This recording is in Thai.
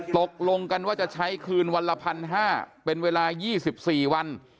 ตกลงกันว่าจะใช้คืนวันละ๑๕๐๐เป็นเวลา๒๔วัน